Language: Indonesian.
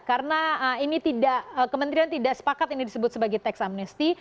karena ini tidak kementerian tidak sepakat ini disebut sebagai teksamnesti